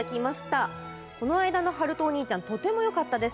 この間の悠人兄ちゃんとてもよかったです。